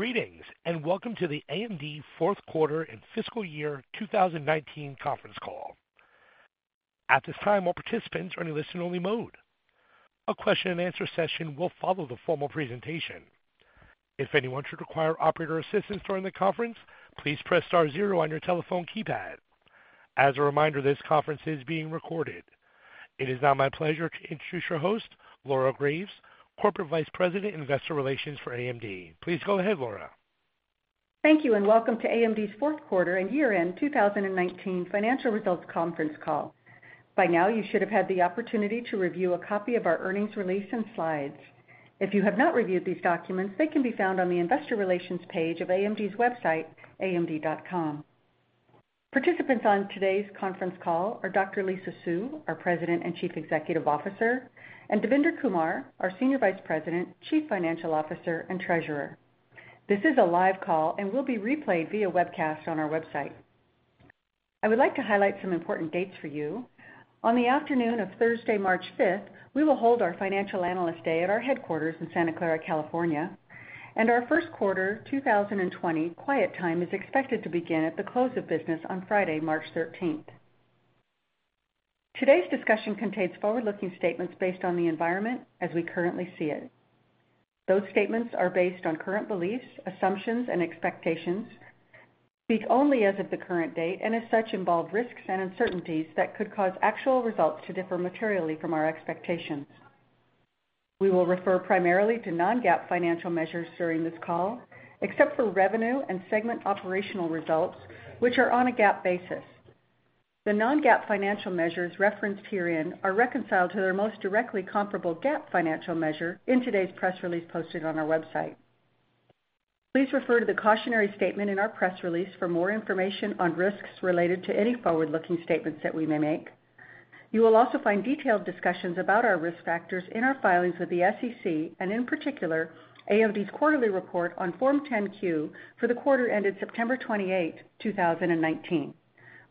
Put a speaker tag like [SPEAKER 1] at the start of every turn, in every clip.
[SPEAKER 1] Greetings. Welcome to the AMD fourth quarter and fiscal year 2019 conference call. At this time, all participants are in listen-only mode. A question and answer session will follow the formal presentation. If anyone should require operator assistance during the conference, please press star zero on your telephone keypad. As a reminder, this conference is being recorded. It is now my pleasure to introduce your host, Laura Graves, Corporate Vice President of Investor Relations for AMD. Please go ahead, Laura.
[SPEAKER 2] Thank you. Welcome to AMD's fourth quarter and year-end 2019 financial results conference call. By now, you should have had the opportunity to review a copy of our earnings release and slides. If you have not reviewed these documents, they can be found on the Investor Relations page of AMD's website, amd.com. Participants on today's conference call are Dr. Lisa Su, our President and Chief Executive Officer, and Devinder Kumar, our Senior Vice President, Chief Financial Officer, and Treasurer. This is a live call and will be replayed via webcast on our website. I would like to highlight some important dates for you. On the afternoon of Thursday, March 5th, we will hold our Financial Analyst Day at our headquarters in Santa Clara, California, and our first quarter 2020 quiet time is expected to begin at the close of business on Friday, March 13th. Today's discussion contains forward-looking statements based on the environment as we currently see it. Those statements are based on current beliefs, assumptions, and expectations, speak only as of the current date, and as such, involve risks and uncertainties that could cause actual results to differ materially from our expectations. We will refer primarily to non-GAAP financial measures during this call, except for revenue and segment operational results, which are on a GAAP basis. The non-GAAP financial measures referenced herein are reconciled to their most directly comparable GAAP financial measure in today's press release posted on our website. Please refer to the cautionary statement in our press release for more information on risks related to any forward-looking statements that we may make. You will also find detailed discussions about our risk factors in our filings with the SEC, and in particular, AMD's quarterly report on Form 10-Q for the quarter ended September 28th, 2019.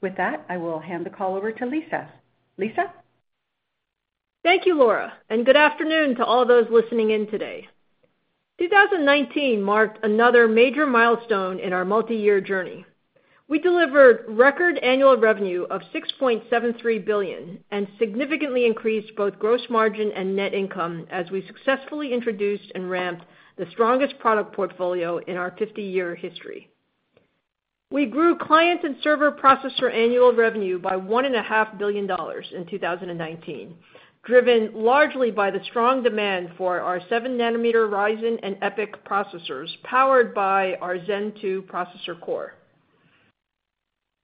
[SPEAKER 2] With that, I will hand the call over to Lisa. Lisa?
[SPEAKER 3] Thank you, Laura, and good afternoon to all those listening in today. 2019 marked another major milestone in our multi-year journey. We delivered record annual revenue of $6.73 billion and significantly increased both gross margin and net income as we successfully introduced and ramped the strongest product portfolio in our 50-year history. We grew client and server processor annual revenue by $1.5 billion in 2019, driven largely by the strong demand for our 7 nm Ryzen and EPYC processors, powered by our Zen 2 processor core.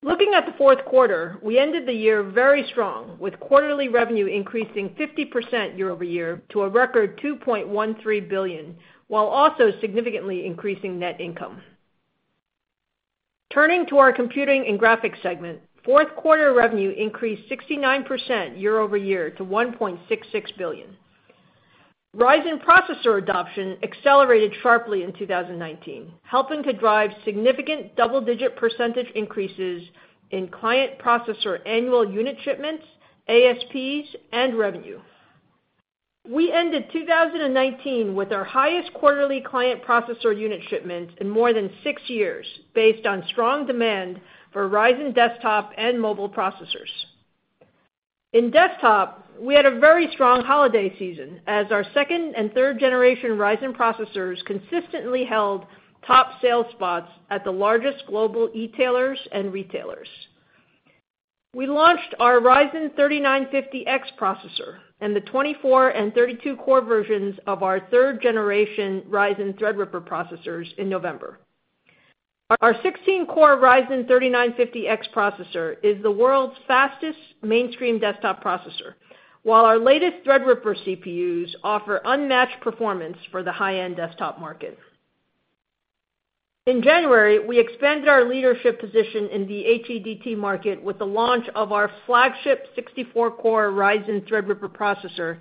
[SPEAKER 3] Looking at the fourth quarter, we ended the year very strong, with quarterly revenue increasing 50% year-over-year to a record $2.13 billion, while also significantly increasing net income. Turning to our Computing and Graphics segment, fourth quarter revenue increased 69% year-over-year to $1.66 billion. Ryzen processor adoption accelerated sharply in 2019, helping to drive significant double-digit percentage increases in client processor annual unit shipments, ASPs, and revenue. We ended 2019 with our highest quarterly client processor unit shipments in more than six years, based on strong demand for Ryzen desktop and mobile processors. In desktop, we had a very strong holiday season as our 2nd and 3rd Gen Ryzen processors consistently held top sales spots at the largest global e-tailers and retailers. We launched our Ryzen 3950X processor and the 24- and 32-core versions of our 3rd Gen Ryzen Threadripper processors in November. Our 16 core Ryzen 3950X processor is the world's fastest mainstream desktop processor, while our latest Threadripper CPUs offer unmatched performance for the high-end desktop market. In January, we expanded our leadership position in the HEDT market with the launch of our flagship 64 core Ryzen Threadripper processor,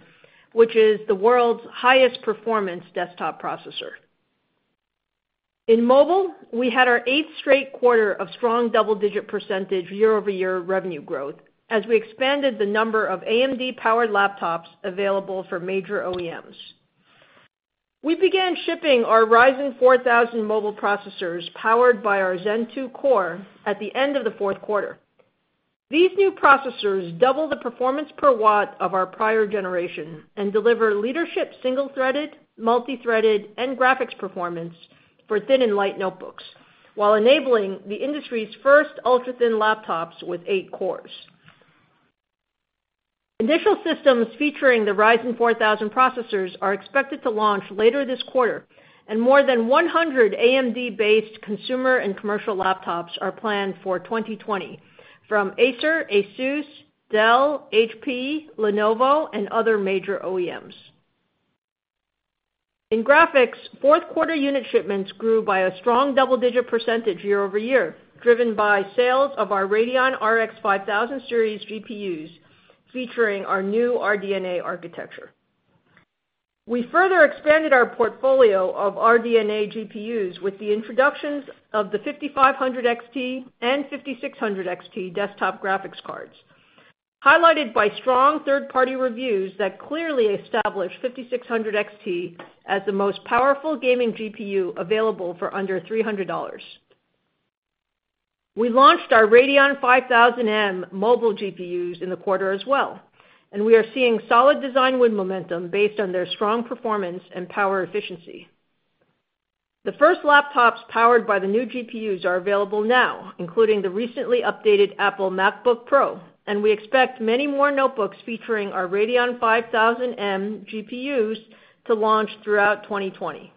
[SPEAKER 3] which is the world's highest performance desktop processor. In mobile, we had our eighth straight quarter of strong double-digit percentage year-over-year revenue growth as we expanded the number of AMD-powered laptops available for major OEMs. We began shipping our Ryzen 4000 mobile processors, powered by our Zen 2 core, at the end of the fourth quarter. These new processors double the performance per watt of our prior generation and deliver leadership single-threaded, multi-threaded, and graphics performance for thin and light notebooks while enabling the industry's first ultra-thin laptops with eight cores. Initial systems featuring the Ryzen 4000 processors are expected to launch later this quarter, and more than 100 AMD-based consumer and commercial laptops are planned for 2020 from Acer, ASUS, Dell, HP, Lenovo, and other major OEMs. In graphics, fourth quarter unit shipments grew by a strong double-digit percentage year-over-year, driven by sales of our Radeon RX 5000 Series GPUs featuring our new RDNA architecture. We further expanded our portfolio of RDNA GPUs with the introductions of the 5500 XT and 5600 XT desktop graphics cards. Highlighted by strong third-party reviews that clearly establish 5600 XT as the most powerful gaming GPU available for under $300. We launched our Radeon 5000M mobile GPUs in the quarter as well, and we are seeing solid design win momentum based on their strong performance and power efficiency. The first laptops powered by the new GPUs are available now, including the recently updated Apple MacBook Pro, and we expect many more notebooks featuring our Radeon 5000M GPUs to launch throughout 2020.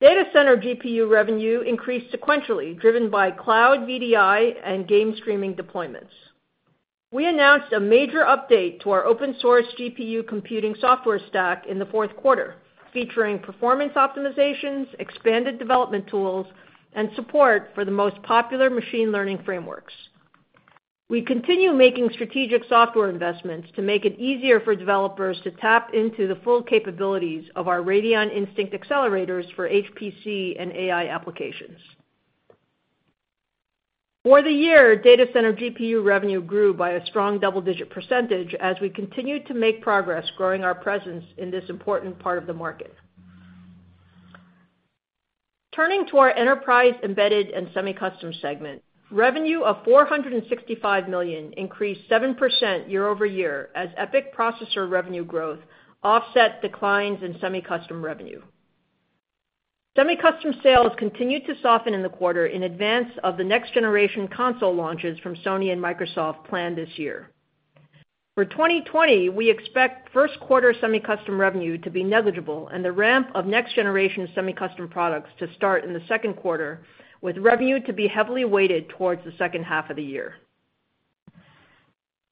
[SPEAKER 3] Data center GPU revenue increased sequentially, driven by cloud VDI and game streaming deployments. We announced a major update to our open-source GPU computing software stack in the fourth quarter, featuring performance optimizations, expanded development tools, and support for the most popular machine learning frameworks. We continue making strategic software investments to make it easier for developers to tap into the full capabilities of our Radeon Instinct accelerators for HPC and AI applications. For the year, data center GPU revenue grew by a strong double-digit percentage as we continued to make progress growing our presence in this important part of the market. Turning to our Enterprise, Embedded, and Semi-Custom segment, revenue of $465 million increased 7% year-over-year as EPYC processor revenue growth offset declines in semi-custom revenue. Semi-custom sales continued to soften in the quarter in advance of the next-generation console launches from Sony and Microsoft planned this year. For 2020, we expect first quarter semi-custom revenue to be negligible and the ramp of next-generation semi-custom products to start in the second quarter, with revenue to be heavily weighted towards the second half of the year.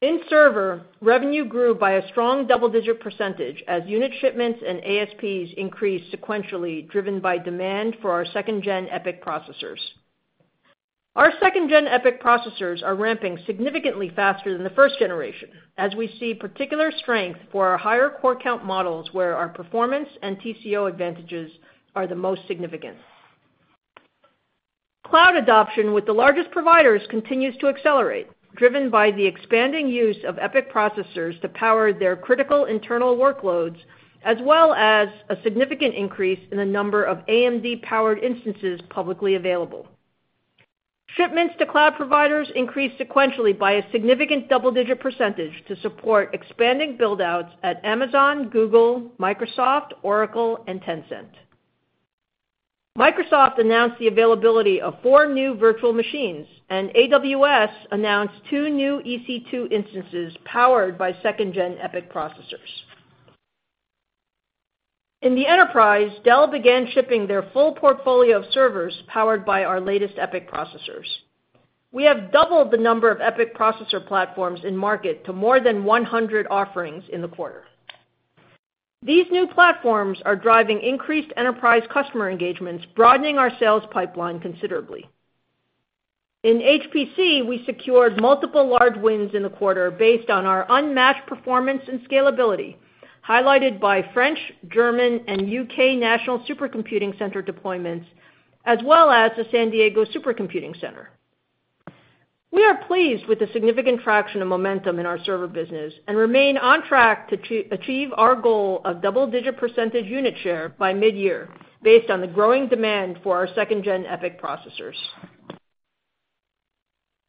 [SPEAKER 3] In server, revenue grew by a strong double-digit percentage as unit shipments and ASPs increased sequentially, driven by demand for our 2nd Gen EPYC processors. Our 2nd Gen EPYC processors are ramping significantly faster than the 1st Gen, as we see particular strength for our higher core count models where our performance and TCO advantages are the most significant. Cloud adoption with the largest providers continues to accelerate, driven by the expanding use of EPYC processors to power their critical internal workloads, as well as a significant increase in the number of AMD-powered instances publicly available. Shipments to cloud providers increased sequentially by a significant double-digit percentage to support expanding build-outs at Amazon, Google, Microsoft, Oracle, and Tencent. Microsoft announced the availability of four new virtual machines, and AWS announced two new EC2 instances powered by 2nd Gen EPYC processors. In the enterprise, Dell began shipping their full portfolio of servers powered by our latest EPYC processors. We have doubled the number of EPYC processor platforms in-market to more than 100 offerings in the quarter. These new platforms are driving increased enterprise customer engagements, broadening our sales pipeline considerably. In HPC, we secured multiple large wins in the quarter based on our unmatched performance and scalability, highlighted by French, German, and U.K. national supercomputing center deployments, as well as the San Diego Supercomputer Center. We are pleased with the significant traction and momentum in our server business and remain on track to achieve our goal of double-digit percentage unit share by mid-year based on the growing demand for our 2nd Gen EPYC processors.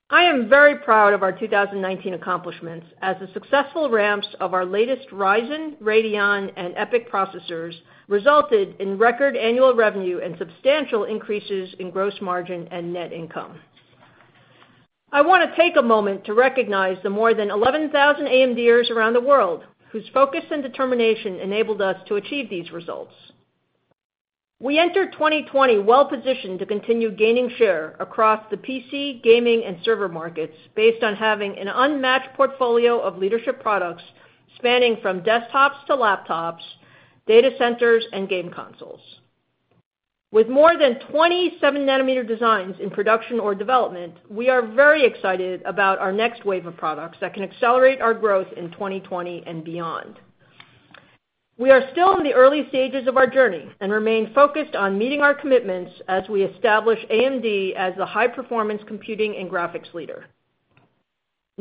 [SPEAKER 3] I am very proud of our 2019 accomplishments, as the successful ramps of our latest Ryzen, Radeon, and EPYC processors resulted in record annual revenue and substantial increases in gross margin and net income. I want to take a moment to recognize the more than 11,000 AMDers around the world, whose focus and determination enabled us to achieve these results. We enter 2020 well-positioned to continue gaining share across the PC, gaming, and server markets based on having an unmatched portfolio of leadership products spanning from desktops to laptops, data centers, and game consoles. With more than 20 7 nm designs in production or development, we are very excited about our next wave of products that can accelerate our growth in 2020 and beyond. We are still in the early stages of our journey and remain focused on meeting our commitments as we establish AMD as the high-performance computing and graphics leader.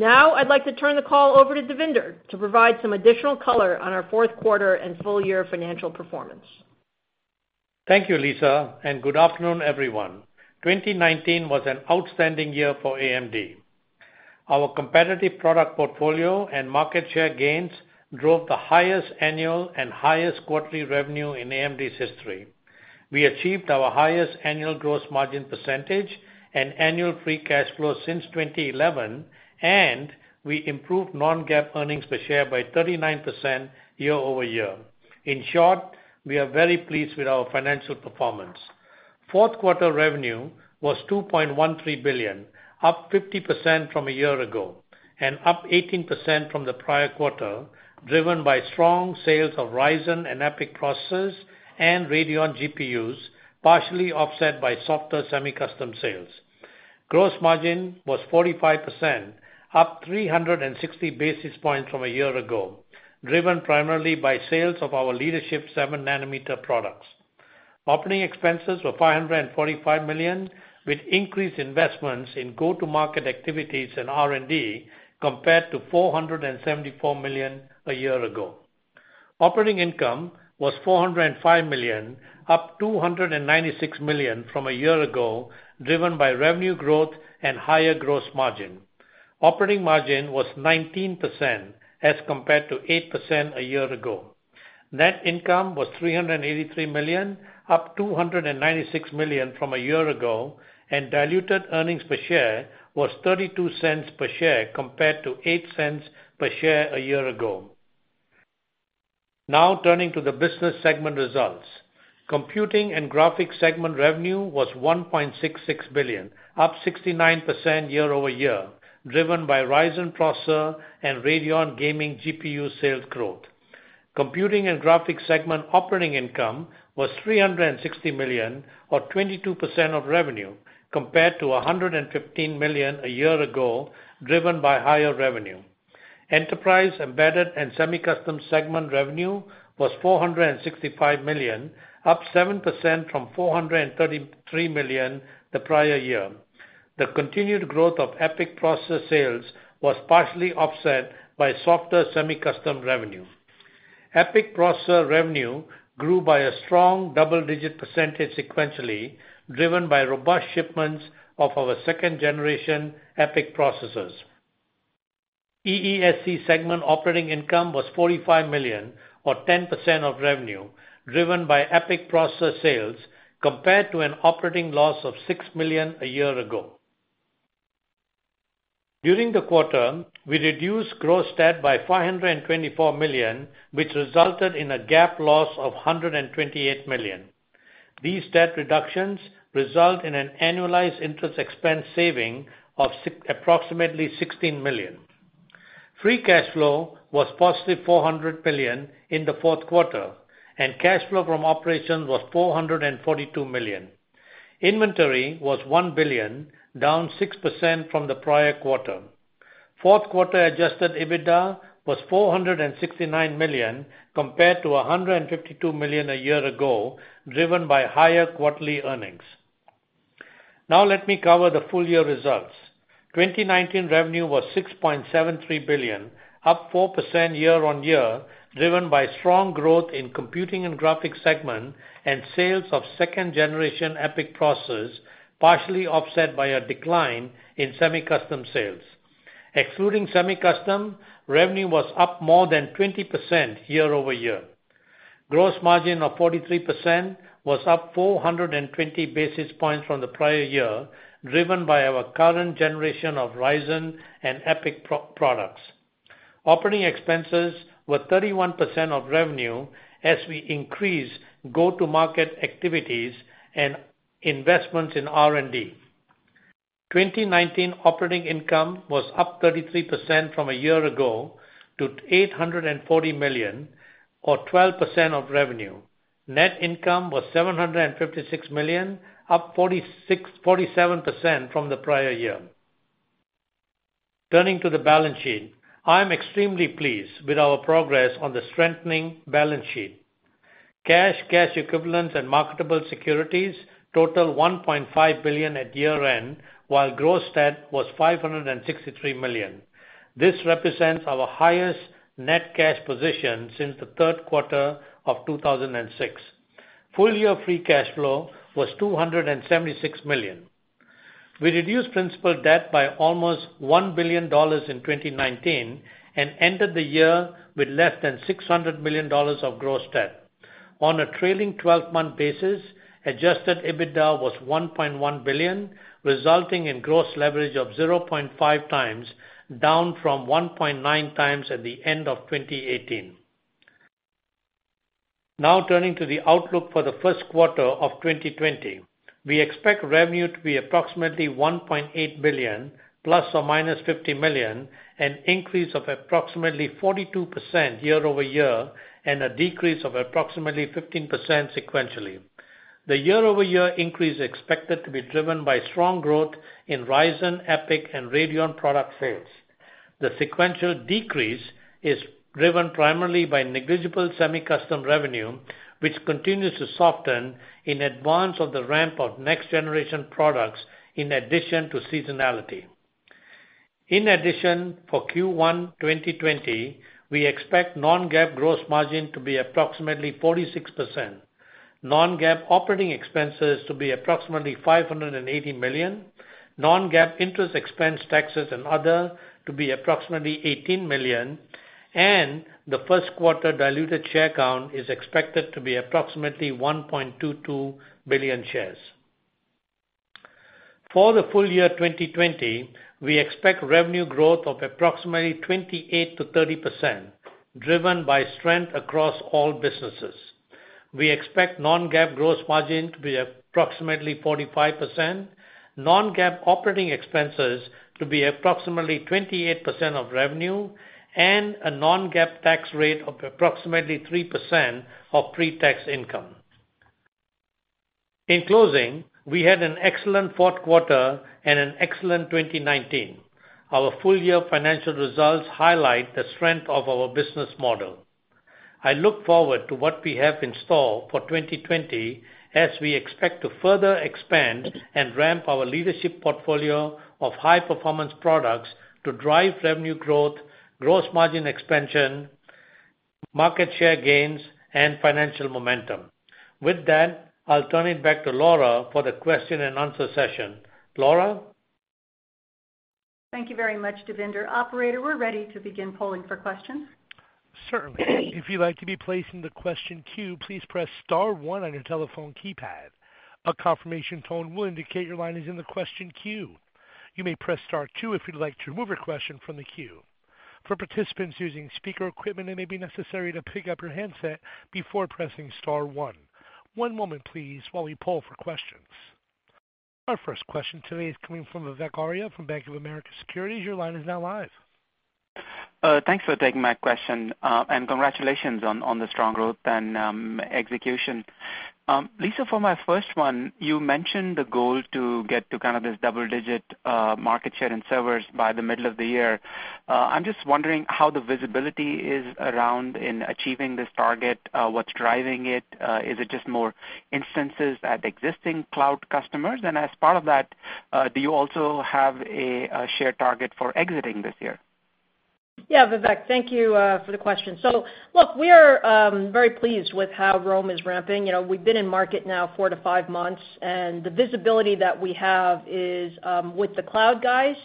[SPEAKER 3] I'd like to turn the call over to Devinder to provide some additional color on our fourth quarter and full-year financial performance.
[SPEAKER 4] Thank you, Lisa. Good afternoon, everyone. 2019 was an outstanding year for AMD. Our competitive product portfolio and market share gains drove the highest annual and highest quarterly revenue in AMD's history. We achieved our highest annual gross margin percentage and annual free cash flow since 2011, and we improved non-GAAP earnings per share by 39% year-over-year. In short, we are very pleased with our financial performance. Fourth quarter revenue was $2.13 billion, up 50% from a year ago, and up 18% from the prior quarter, driven by strong sales of Ryzen and EPYC processors and Radeon GPUs, partially offset by softer semi-custom sales. Gross margin was 45%, up 360 basis points from a year ago, driven primarily by sales of our leadership 7 nm products. Operating expenses were $545 million with increased investments in go-to-market activities and R&D compared to $474 million a year ago. Operating income was $405 million, up $296 million from a year ago, driven by revenue growth and higher gross margin. Operating margin was 19% as compared to 8% a year ago. Net income was $383 million, up $296 million from a year ago, and diluted earnings per share was $0.32 per share compared to $0.08 per share a year ago. Turning to the business segment results. Computing and Graphics segment revenue was $1.66 billion, up 69% year-over-year, driven by Ryzen processor and Radeon gaming GPU sales growth. Computing and Graphics segment operating income was $360 million, or 22% of revenue, compared to $115 million a year ago, driven by higher revenue. Enterprise, Embedded, and Semi-Custom segment revenue was $465 million, up 7% from $433 million the prior year. The continued growth of EPYC processor sales was partially offset by softer semi-custom revenue. EPYC processor revenue grew by a strong double-digit percentage sequentially, driven by robust shipments of our 2nd Gen EPYC processors. EESC segment operating income was $45 million, or 10% of revenue, driven by EPYC processor sales, compared to an operating loss of $6 million a year ago. During the quarter, we reduced gross debt by $524 million, which resulted in a GAAP loss of $128 million. These debt reductions result in an annualized interest expense saving of approximately $16 million. Free cash flow was +$400 million in the fourth quarter, and cash flow from operations was $442 million. Inventory was $1 billion, down 6% from the prior quarter. Fourth quarter adjusted EBITDA was $469 million compared to $152 million a year ago, driven by higher quarterly earnings. Let me cover the full-year results. 2019 revenue was $6.73 billion, up 4% year-on-year, driven by strong growth in Computing and Graphics segment and sales of 2nd Gen EPYC processors, partially offset by a decline in semi-custom sales. Excluding semi-custom, revenue was up more than 20% year-over-year. Gross margin of 43% was up 420 basis points from the prior year, driven by our current generation of Ryzen and EPYC products. Operating expenses were 31% of revenue as we increased go-to-market activities and investments in R&D. 2019 operating income was up 33% from a year ago to $840 million, or 12% of revenue. Net income was $756 million, up 47% from the prior year. Turning to the balance sheet. I am extremely pleased with our progress on the strengthening balance sheet. Cash, cash equivalents, and marketable securities total $1.5 billion at year-end, while gross debt was $563 million. This represents our highest net cash position since the third quarter of 2006. Full-year free cash flow was $276 million. We reduced principal debt by almost $1 billion in 2019 and ended the year with less than $600 million of gross debt. On a trailing 12-month basis, adjusted EBITDA was $1.1 billion, resulting in gross leverage of 0.5x, down from 1.9x at the end of 2018. Turning to the outlook for the first quarter of 2020. We expect revenue to be approximately $1.8 billion ±$50 million, an increase of approximately 42% year-over-year, and a decrease of approximately 15% sequentially. The year-over-year increase is expected to be driven by strong growth in Ryzen, EPYC, and Radeon product sales. The sequential decrease is driven primarily by negligible semi-custom revenue, which continues to soften in advance of the ramp of next-generation products in addition to seasonality. For Q1 2020, we expect non-GAAP gross margin to be approximately 46%, non-GAAP operating expenses to be approximately $580 million, non-GAAP interest expense, taxes, and other to be approximately $18 million, and the first quarter diluted share count is expected to be approximately 1.22 billion shares. For the full year 2020, we expect revenue growth of approximately 28%-30%, driven by strength across all businesses. We expect non-GAAP gross margin to be approximately 45%, non-GAAP operating expenses to be approximately 28% of revenue, and a non-GAAP tax rate of approximately 3% of pre-tax income. In closing, we had an excellent fourth quarter and an excellent 2019. Our full-year financial results highlight the strength of our business model. I look forward to what we have in store for 2020, as we expect to further expand and ramp our leadership portfolio of high-performance products to drive revenue growth, gross margin expansion, market share gains, and financial momentum. With that, I'll turn it back to Laura for the question and answer session. Laura?
[SPEAKER 2] Thank you very much, Devinder. Operator, we're ready to begin polling for questions.
[SPEAKER 1] Certainly. If you'd like to be placed in the question queue, please press star one on your telephone keypad. A confirmation tone will indicate your line is in the question queue. You may press star two if you'd like to remove your question from the queue. For participants using speaker equipment, it may be necessary to pick up your handset before pressing star one. One moment, please, while we poll for questions. Our first question today is coming from Vivek Arya from Bank of America Securities. Your line is now live.
[SPEAKER 5] Thanks for taking my question, congratulations on the strong growth and execution. Lisa, for my first one, you mentioned the goal to get to this double-digit market share in servers by the middle of the year. I'm just wondering how the visibility is around in achieving this target, what's driving it. Is it just more instances at existing cloud customers? As part of that, do you also have a share target for exiting this year?
[SPEAKER 3] Yeah, Vivek. Thank you for the question. Look, we are very pleased with how Rome is ramping. We've been in market now four to five months, and the visibility that we have is with the cloud guys.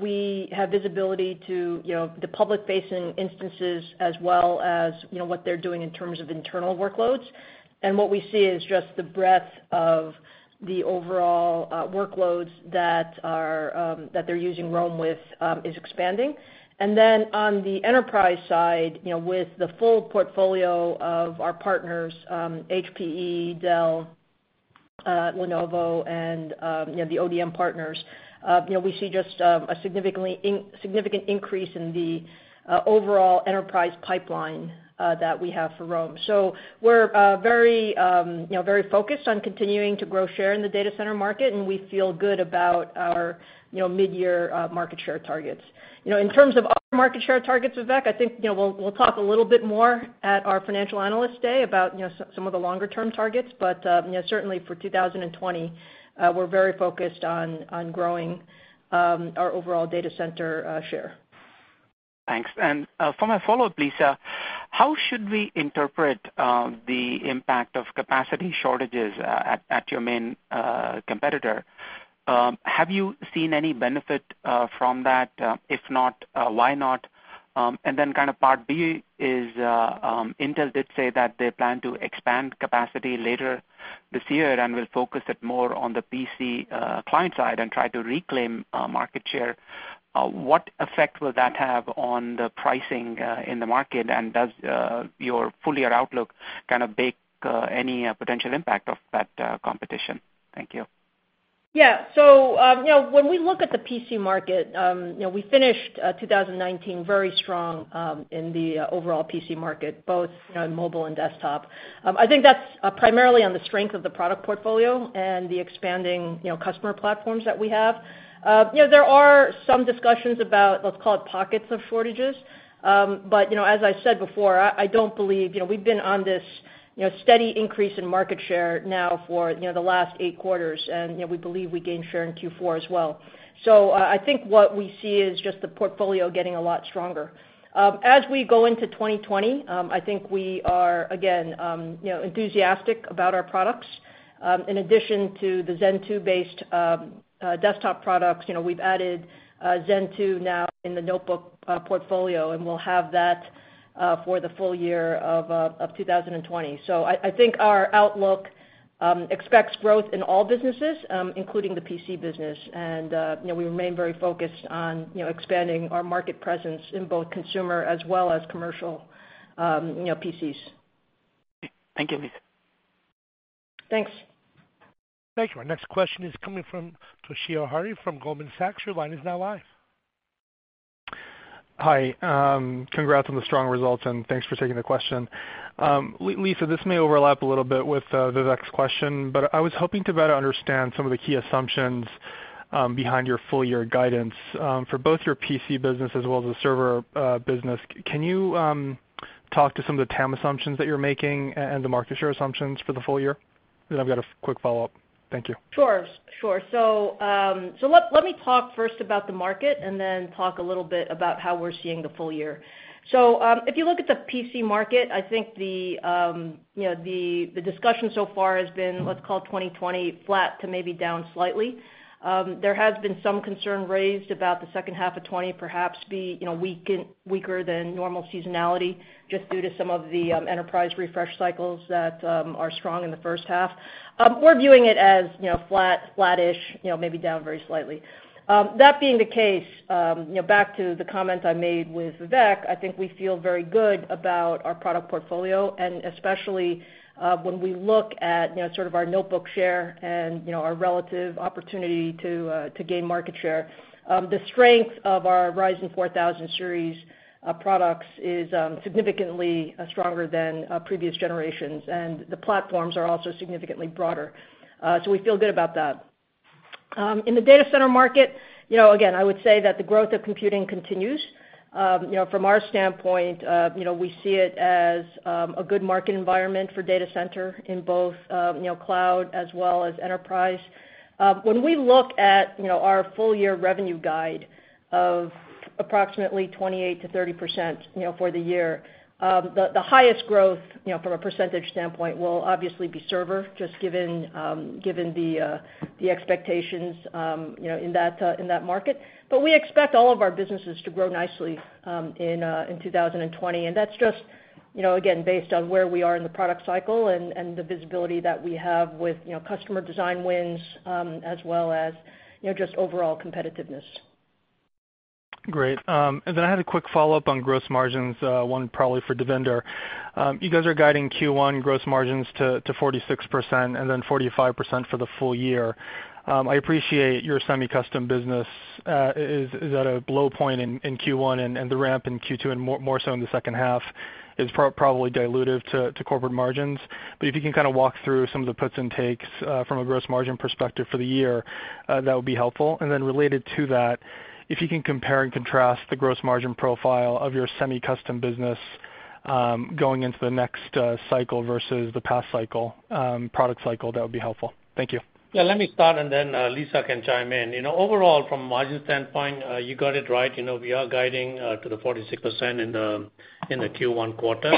[SPEAKER 3] We have visibility to the public-facing instances as well as what they're doing in terms of internal workloads. What we see is just the breadth of the overall workloads that they're using Rome with is expanding. On the enterprise side with the full portfolio of our partners, HPE, Dell, Lenovo, and the ODM partners, we see just a significant increase in the overall enterprise pipeline that we have for Rome. We're very focused on continuing to grow share in the data center market, and we feel good about our mid-year market share targets. In terms of our market share targets, Vivek, I think we'll talk a little bit more at our Financial Analyst Day about some of the longer-term targets. Certainly for 2020, we're very focused on growing our overall data center share.
[SPEAKER 5] Thanks. For my follow-up, Lisa, how should we interpret the impact of capacity shortages at your main competitor? Have you seen any benefit from that? If not, why not? Part B is Intel did say that they plan to expand capacity later this year and will focus it more on the PC client side and try to reclaim market share. What effect will that have on the pricing in the market, and does your full-year outlook bake any potential impact of that competition? Thank you.
[SPEAKER 3] When we look at the PC market, we finished 2019 very strong in the overall PC market, both mobile and desktop. I think that's primarily on the strength of the product portfolio and the expanding customer platforms that we have. There are some discussions about, let's call it, pockets of shortages. As I said before, we've been on this steady increase in market share now for the last eight quarters, and we believe we gained share in Q4 as well. I think what we see is just the portfolio getting a lot stronger. As we go into 2020, I think we are, again, enthusiastic about our products. In addition to the Zen 2-based desktop products, we've added Zen 2 now in the notebook portfolio, and we'll have that for the full year of 2020. I think our outlook expects growth in all businesses, including the PC business. We remain very focused on expanding our market presence in both consumer as well as commercial PCs.
[SPEAKER 5] Thank you, Lisa.
[SPEAKER 3] Thanks.
[SPEAKER 1] Thank you. Our next question is coming from Toshiya Hari from Goldman Sachs. Your line is now live.
[SPEAKER 6] Hi. Congrats on the strong results, and thanks for taking the question. Lisa, this may overlap a little bit with Vivek's question, but I was hoping to better understand some of the key assumptions behind your full-year guidance for both your PC business as well as the server business. Can you talk to some of the TAM assumptions that you're making and the market share assumptions for the full year? I've got a quick follow-up. Thank you.
[SPEAKER 3] Sure. Let me talk first about the market and then talk a little bit about how we're seeing the full year. If you look at the PC market, I think the discussion so far has been, let's call 2020 flat to maybe down slightly. There has been some concern raised about the second half of 2020 perhaps be weaker than normal seasonality just due to some of the enterprise refresh cycles that are strong in the first half. We're viewing it as flat, flattish, maybe down very slightly. That being the case, back to the comment I made with Vivek, I think we feel very good about our product portfolio, and especially when we look at our notebook share and our relative opportunity to gain market share. The strength of our Ryzen 4000 series products is significantly stronger than previous generations, and the platforms are also significantly broader. We feel good about that. In the data center market, again, I would say that the growth of computing continues. From our standpoint, we see it as a good market environment for data center in both cloud as well as enterprise. When we look at our full year revenue guide of approximately 28%-30% for the year, the highest growth from a percentage standpoint will obviously be server, just given the expectations in that market. We expect all of our businesses to grow nicely in 2020. That's just, again, based on where we are in the product cycle and the visibility that we have with customer design wins, as well as just overall competitiveness.
[SPEAKER 6] Great. I had a quick follow-up on gross margins, one probably for Devinder. You guys are guiding Q1 gross margins to 46% and then 45% for the full year. I appreciate your semi-custom business is at a blow point in Q1 and the ramp in Q2 and more so in the second half is probably dilutive to corporate margins. If you can kind of walk through some of the puts and takes from a gross margin perspective for the year, that would be helpful. Related to that, if you can compare and contrast the gross margin profile of your semi-custom business, going into the next cycle versus the past product cycle, that would be helpful. Thank you.
[SPEAKER 4] Yeah, let me start and then Lisa can chime in. Overall from a margin standpoint, you got it right. We are guiding to the 46% in the Q1 quarter.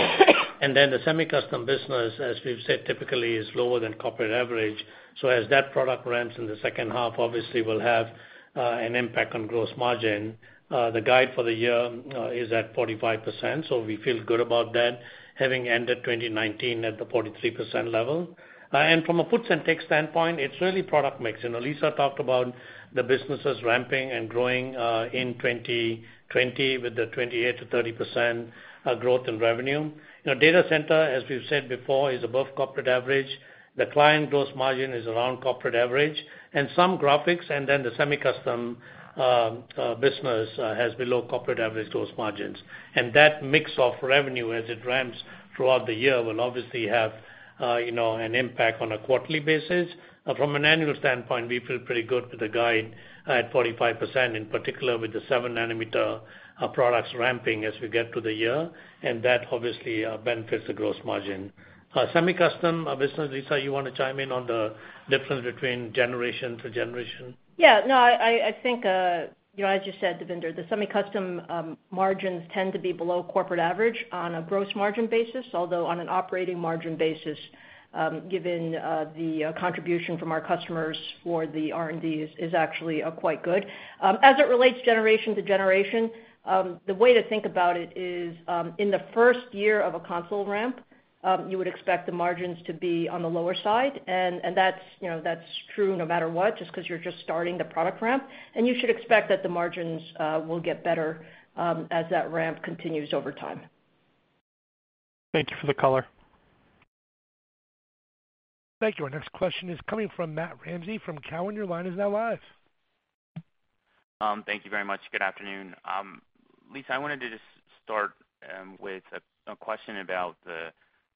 [SPEAKER 4] The semi-custom business, as we've said, typically is lower than corporate average. As that product ramps in the second half, obviously will have an impact on gross margin. The guide for the year is at 45%, so we feel good about that, having ended 2019 at the 43% level. From a puts and takes standpoint, it's really product mix. Lisa talked about the businesses ramping and growing in 2020 with the 28%-30% growth in revenue. Data center, as we've said before, is above corporate average. The client gross margin is around corporate average, and some graphics, and then the semi-custom business has below corporate average gross margins. That mix of revenue as it ramps throughout the year will obviously have an impact on a quarterly basis. From an annual standpoint, we feel pretty good with the guide at 45%, in particular with the 7 nm products ramping as we get to the year, and that obviously benefits the gross margin. Semi-custom business, Lisa, you want to chime in on the difference between generation to generation?
[SPEAKER 3] Yeah. No, I think, as you said, Devinder, the semi-custom margins tend to be below corporate average on a gross margin basis, although on an operating margin basis, given the contribution from our customers for the R&D is actually quite good. As it relates generation to generation, the way to think about it is, in the first year of a console ramp, you would expect the margins to be on the lower side, and that's true no matter what, just because you're just starting the product ramp, and you should expect that the margins will get better as that ramp continues over time.
[SPEAKER 6] Thank you for the color.
[SPEAKER 1] Thank you. Our next question is coming from Matt Ramsay from Cowen. Your line is now live.
[SPEAKER 7] Thank you very much. Good afternoon. Lisa, I wanted to just start with a question about the,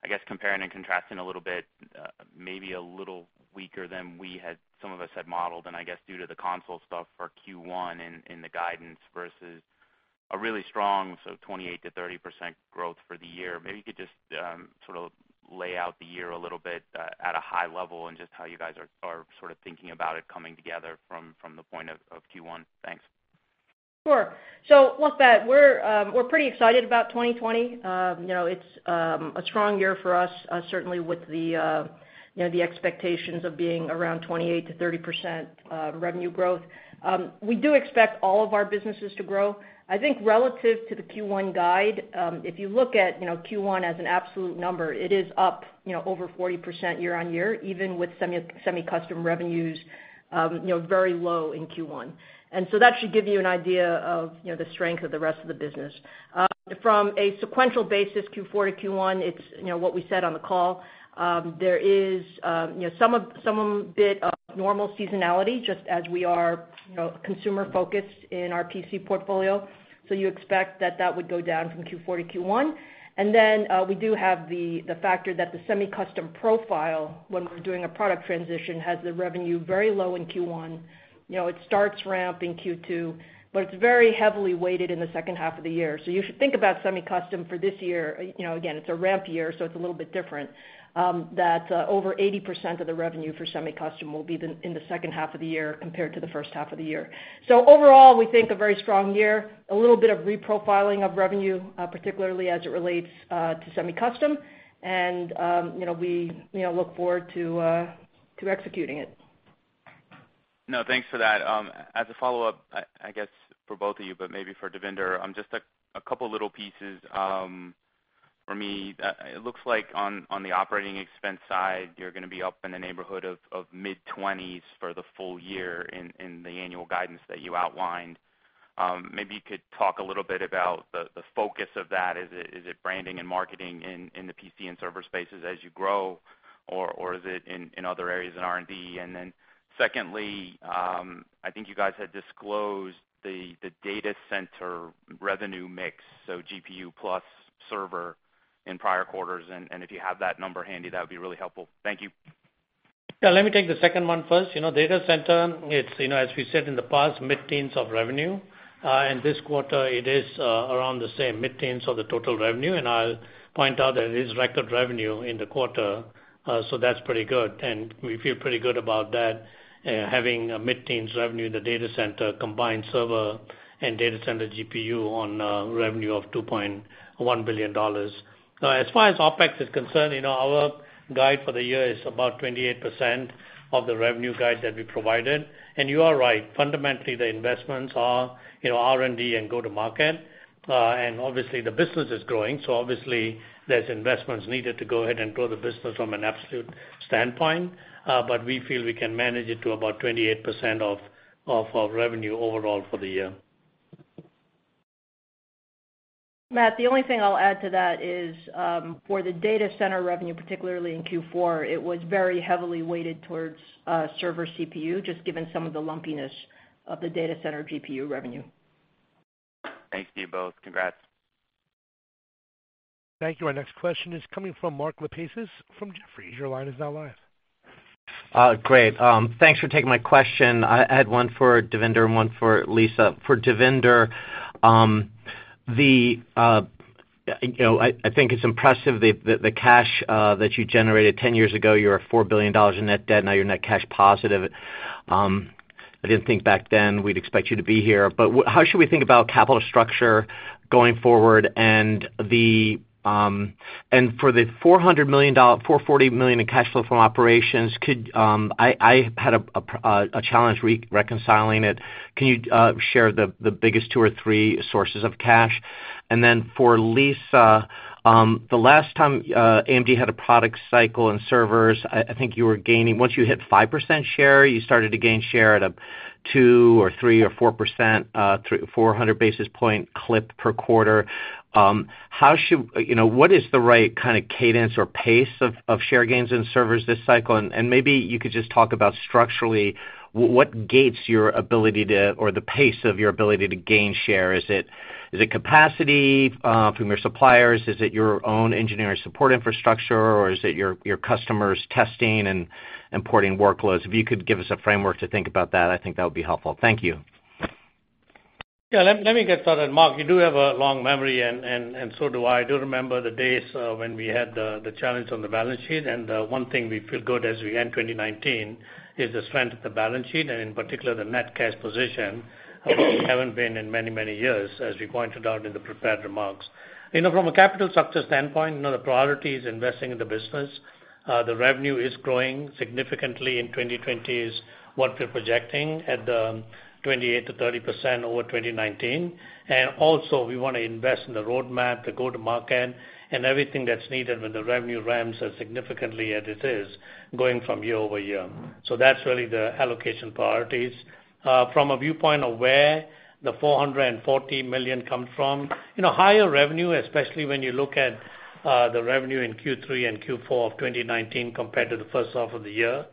[SPEAKER 7] I guess, comparing and contrasting a little bit, maybe a little weaker than some of us had modeled, and I guess due to the console stuff for Q1 and the guidance versus a really strong, 28%-30% growth for the year. Maybe you could just sort of lay out the year a little bit at a high level and just how you guys are sort of thinking about it coming together from the point of Q1. Thanks.
[SPEAKER 3] Sure. Look, Matt, we're pretty excited about 2020. It's a strong year for us, certainly with the expectations of being around 28%-30% revenue growth. We do expect all of our businesses to grow. I think relative to the Q1 guide, if you look at Q1 as an absolute number, it is up over 40% year-on-year, even with semi-custom revenues very low in Q1. That should give you an idea of the strength of the rest of the business. From a sequential basis, Q4 to Q1, it's what we said on the call. There is some bit of normal seasonality, just as we are consumer focused in our PC portfolio. You expect that would go down from Q4 to Q1. We do have the factor that the semi-custom profile, when we're doing a product transition, has the revenue very low in Q1. It starts ramp in Q2, but it's very heavily weighted in the second half of the year. You should think about semi-custom for this year. Again, it's a ramp year, so it's a little bit different, that over 80% of the revenue for semi-custom will be in the second half of the year compared to the first half of the year. Overall, we think a very strong year, a little bit of reprofiling of revenue, particularly as it relates to semi-custom, and we look forward to executing it.
[SPEAKER 7] No, thanks for that. As a follow-up, I guess for both of you, but maybe for Devinder, just a couple little pieces. For me, it looks like on the operating expense side, you're going to be up in the neighborhood of mid-20s for the full year in the annual guidance that you outlined. Maybe you could talk a little bit about the focus of that. Is it branding and marketing in the PC and server spaces as you grow, or is it in other areas in R&D? Secondly, I think you guys had disclosed the data center revenue mix, so GPU plus server in prior quarters, and if you have that number handy, that would be really helpful. Thank you.
[SPEAKER 4] Yeah, let me take the second one first. Data center, as we said in the past, mid-teens of revenue. This quarter it is around the same, mid-teens of the total revenue. I'll point out that it is record revenue in the quarter, so that's pretty good, and we feel pretty good about that, having a mid-teens revenue in the data center, combined server and data center GPU on revenue of $2.1 billion. As far as OpEx is concerned, our guide for the year is about 28% of the revenue guide that we provided. You are right, fundamentally, the investments are R&D and go to market. Obviously, the business is growing, so obviously there's investments needed to go ahead and grow the business from an absolute standpoint. We feel we can manage it to about 28% of our revenue overall for the year.
[SPEAKER 3] Matt, the only thing I'll add to that is, for the data center revenue, particularly in Q4, it was very heavily weighted towards server CPU, just given some of the lumpiness of the data center GPU revenue.
[SPEAKER 7] Thank you both. Congrats.
[SPEAKER 1] Thank you. Our next question is coming from Mark Lipacis, from Jefferies. Your line is now live.
[SPEAKER 8] Great. Thanks for taking my question. I had one for Devinder and one for Lisa. For Devinder, I think it's impressive the cash that you generated. 10 years ago, you were at $4 billion in net debt, now you're net cash positive. I didn't think back then we'd expect you to be here. How should we think about capital structure going forward? For the $440 million in cash flow from operations, I had a challenge reconciling it. Can you share the biggest two or three sources of cash? For Lisa, the last time AMD had a product cycle in servers, I think you were gaining. Once you hit 5% share, you started to gain share at a 2% or 3% or 4%, 400 basis point clip per quarter. What is the right kind of cadence or pace of share gains in servers this cycle? Maybe you could just talk about structurally, what gates your ability to, or the pace of your ability to gain share. Is it capacity from your suppliers? Is it your own engineering support infrastructure, or is it your customers testing and importing workloads? If you could give us a framework to think about that, I think that would be helpful. Thank you.
[SPEAKER 4] Yeah. Let me get started. Mark, you do have a long memory, and so do I. I do remember the days when we had the challenge on the balance sheet, and one thing we feel good as we end 2019 is the strength of the balance sheet, and in particular, the net cash position, which we haven't been in many years, as we pointed out in the prepared remarks. From a capital structure standpoint, the priority is investing in the business. The revenue is growing significantly in 2020, is what we're projecting, at 28%-30% over 2019. We want to invest in the roadmap, the go to market, and everything that's needed when the revenue ramps as significantly as it is going from year-over-year. That's really the allocation priorities. From a viewpoint of where the $440 million comes from. Higher revenue, especially when you look at the revenue in Q3 and Q4 of 2019 compared to the first half of the year,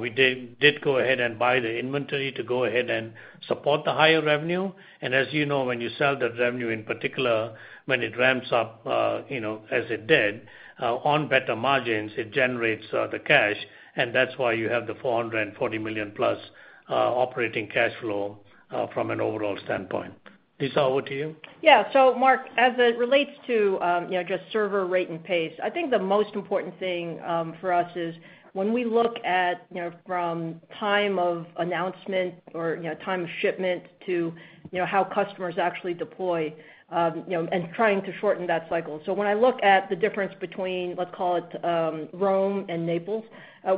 [SPEAKER 4] we did go ahead and buy the inventory to go ahead and support the higher revenue. As you know, when you sell that revenue, in particular, when it ramps up as it did on better margins, it generates the cash, and that's why you have the $440 million plus operating cash flow from an overall standpoint. Lisa, over to you.
[SPEAKER 3] Yeah. Mark, as it relates to just server rate and pace, I think the most important thing for us is when we look at from time of announcement or time of shipment to how customers actually deploy, and trying to shorten that cycle. When I look at the difference between, let's call it Rome and Naples,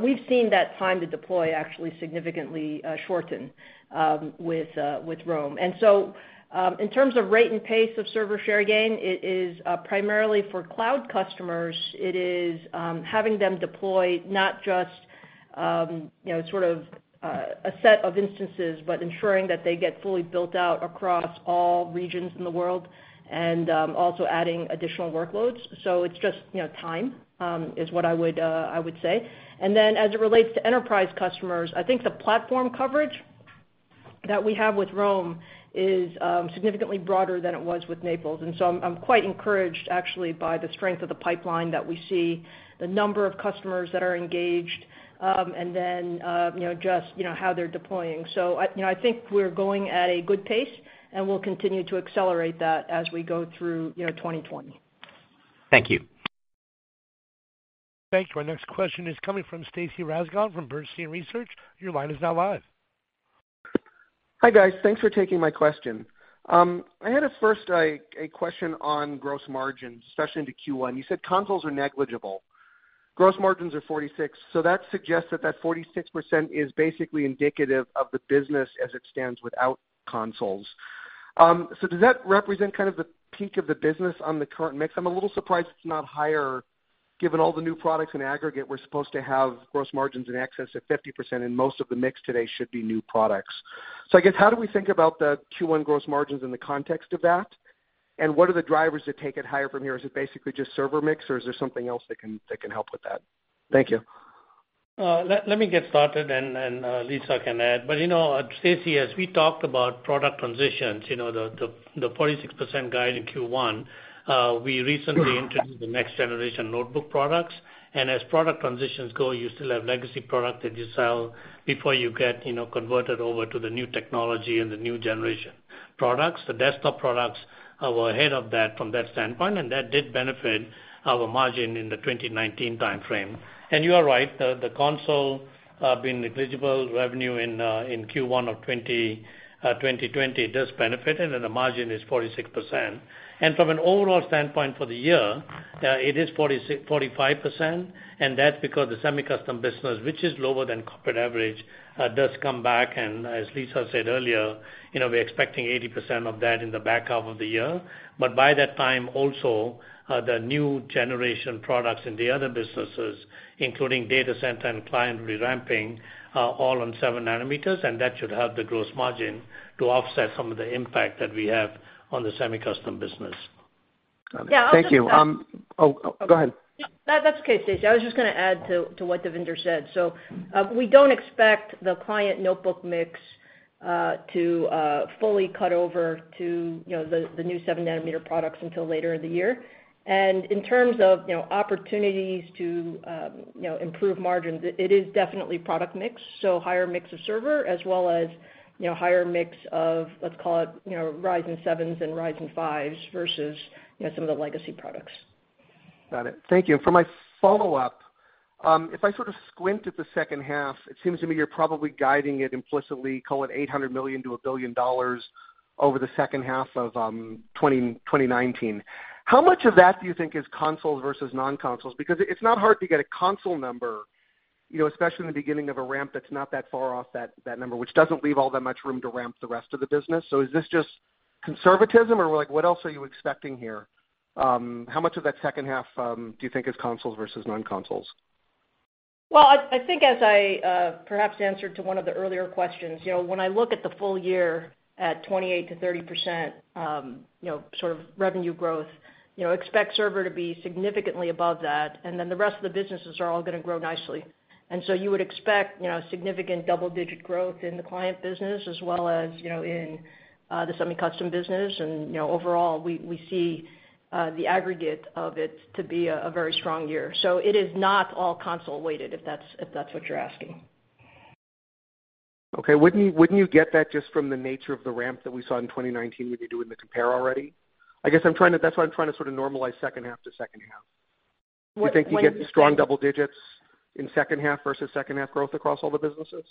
[SPEAKER 3] we've seen that time to deploy actually significantly shorten with Rome. In terms of rate and pace of server share gain, it is primarily for cloud customers. It is having them deploy not just sort of a set of instances, but ensuring that they get fully built out across all regions in the world, and also adding additional workloads. It's just time, is what I would say. As it relates to enterprise customers, I think the platform coverage that we have with Rome is significantly broader than it was with Naples. I'm quite encouraged, actually, by the strength of the pipeline that we see, the number of customers that are engaged, and then just how they're deploying. I think we're going at a good pace, and we'll continue to accelerate that as we go through 2020.
[SPEAKER 8] Thank you.
[SPEAKER 1] Thank you. Our next question is coming from Stacy Rasgon from Bernstein Research. Your line is now live.
[SPEAKER 9] Hi, guys. Thanks for taking my question. I had first a question on gross margins, especially into Q1. You said consoles are negligible. Gross margins are 46%. That suggests that 46% is basically indicative of the business as it stands without consoles. Does that represent kind of the peak of the business on the current mix? I'm a little surprised it's not higher given all the new products in aggregate we're supposed to have gross margins in excess of 50%, and most of the mix today should be new products. I guess, how do we think about the Q1 gross margins in the context of that? What are the drivers that take it higher from here? Is it basically just server mix, or is there something else that can help with that? Thank you.
[SPEAKER 4] Let me get started and Lisa can add. Stacy, as we talked about product transitions, the 46% guide in Q1, we recently introduced the next generation notebook products. As product transitions go, you still have legacy product that you sell before you get converted over to the new technology and the new generation products. The desktop products are ahead of that from that standpoint, and that did benefit our margin in the 2019 timeframe. You are right, the console being negligible revenue in Q1 of 2020 does benefit it, and the margin is 46%. From an overall standpoint for the year, it is 45%, and that's because the semi-custom business, which is lower than corporate average, does come back, and as Lisa said earlier, we're expecting 80% of that in the back half of the year. By that time also, the new generation products in the other businesses, including data center and client ramping, are all on 7 nm, and that should help the gross margin to offset some of the impact that we have on the semi-custom business.
[SPEAKER 9] Got it. Thank you.
[SPEAKER 3] Yeah, I'll just-
[SPEAKER 9] Oh, go ahead.
[SPEAKER 3] That's okay, Stacy. I was just going to add to what Devinder said. We don't expect the client notebook mix to fully cut over to the new 7 nm products until later in the year. In terms of opportunities to improve margins, it is definitely product mix, so higher mix of server as well as higher mix of, let's call it, Ryzen 7s and Ryzen 5s versus some of the legacy products.
[SPEAKER 9] Got it. Thank you. For my follow-up, if I sort of squint at the second half, it seems to me you're probably guiding it implicitly, call it $800 million-$1 billion, over the second half of 2019. How much of that do you think is consoles versus non-consoles? Because it's not hard to get a console number, especially in the beginning of a ramp that's not that far off that number, which doesn't leave all that much room to ramp the rest of the business. Is this just conservatism, or what else are you expecting here? How much of that second half do you think is consoles versus non-consoles?
[SPEAKER 3] Well, I think as I perhaps answered to one of the earlier questions, when I look at the full year at 28%-30% sort of revenue growth, expect server to be significantly above that, and then the rest of the businesses are all going to grow nicely. You would expect significant double-digit growth in the client business as well as in the semi-custom business. Overall, we see the aggregate of it to be a very strong year. It is not all console-weighted, if that's what you're asking.
[SPEAKER 9] Wouldn't you get that just from the nature of the ramp that we saw in 2019 when you're doing the compare already? I guess that's why I'm trying to sort of normalize second half to second half.
[SPEAKER 3] What are you saying?
[SPEAKER 9] Do you think you get the strong double digits in second half versus second half growth across all the businesses?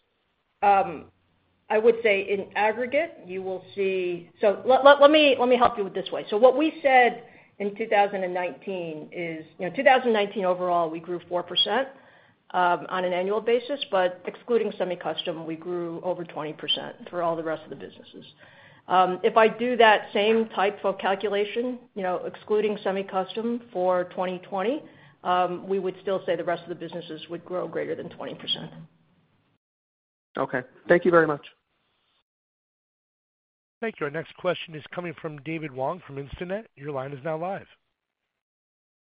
[SPEAKER 3] I would say in aggregate. Let me help you with this way. What we said in 2019 is, 2019 overall, we grew 4% on an annual basis, but excluding semi-custom, we grew over 20% for all the rest of the businesses. If I do that same type of calculation excluding semi-custom for 2020, we would still say the rest of the businesses would grow greater than 20%.
[SPEAKER 9] Okay. Thank you very much.
[SPEAKER 1] Thank you. Our next question is coming from David Wong from Instinet. Your line is now live.